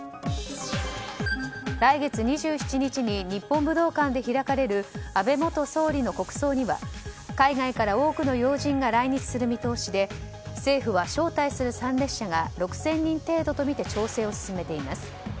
来月２７日に日本武道館で開かれる安倍元総理の国葬には海外から多くの要人が来日する見通しで政府は招待する参列者が６０００人程度とみて調整を進めています。